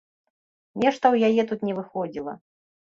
Нешта ў яе тут не выходзіла.